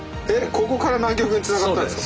ここから南極につながったんですか。